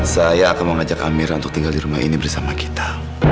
saya akan mengajak amir untuk tinggal di rumah ini bersama kita